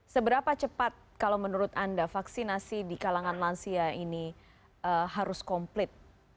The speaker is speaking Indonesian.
seberapa cepat kalau menurut anda vaksinasi di kalangan lansia ini harus komplit